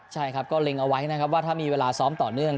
ใช่ครับก็เล็งเอาไว้นะครับว่าถ้ามีเวลาซ้อมต่อเนื่อง